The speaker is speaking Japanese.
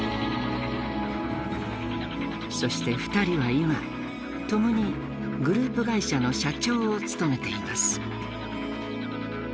そして２人は今共にグループ会社の社長を務めています。